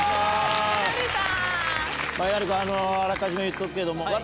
あらかじめ言っとくけども。